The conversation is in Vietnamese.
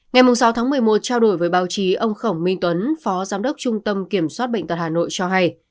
ngày sáu tháng một mươi một trao đổi với báo chí ông khổng minh tuấn phó giám đốc trung tâm kiểm soát bệnh tật hà nội cho hay